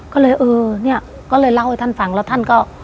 ก็เลยเออเนี่ยก็เลยเล่าให้ท่านฟังแล้วท่านก็